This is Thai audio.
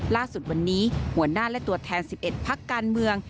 ล่าสุดวันนี้หัวหน้าและตัวแทน๑๑พักการเมือง